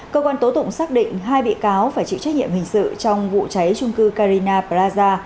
cơ quan tố tụng xác định hai bị cáo phải chịu trách nhiệm hình sự trong vụ cháy trung cư carina praza